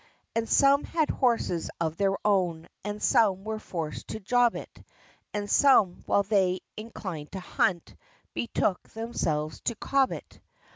_ And some had horses of their own, And some were forced to job it: And some, while they inclined to Hunt, Betook themselves to Cob it.